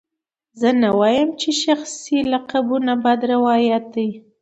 زه نه وایم چې شخصي لقبونه بد روایت دی.